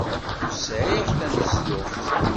Ur sɛiɣ tanezduɣt.